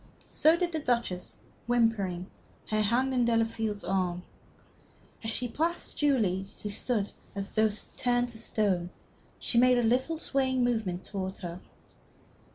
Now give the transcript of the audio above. So did the Duchess, whimpering, her hand in Delafield's arm. As she passed Julie, who stood as though turned to stone, she made a little swaying movement towards her.